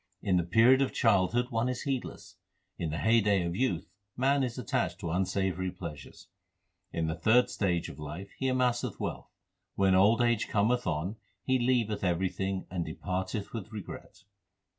In the period of childhood one is heedless ; In the heyday of youth man is attached to unsavoury pleasures ; In the third stage of life he amasseth wealth ; When old age cometh on he leaveth everything and de parteth with regret.